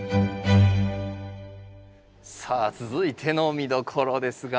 さあ続いての見どころですが。